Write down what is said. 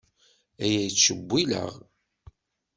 Aya yettcewwil-aɣ.